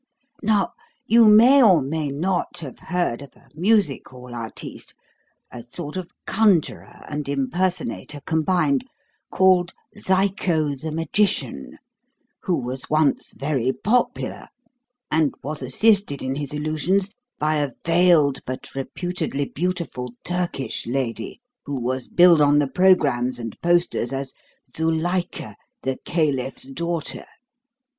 Now you may or may not have heard of a Music Hall artiste a sort of conjurer and impersonator combined called Zyco the Magician, who was once very popular and was assisted in his illusions by a veiled but reputedly beautiful Turkish lady who was billed on the programmes and posters as 'Zuilika, the Caliph's Daughter.'"